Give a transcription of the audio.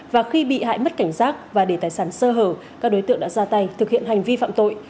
và khi bị hại mất cảnh giác và để tài sản sơ hở các đối tượng đã ra tay thực hiện hành vi phạm tội